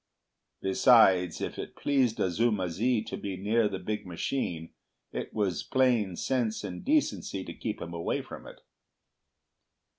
Besides, if it pleased Azuma zi to be near the big machine, it was plain sense and decency to keep him away from it.